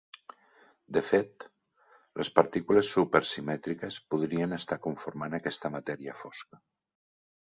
De fet, les partícules supersimètriques podrien estar conformant aquesta matèria fosca.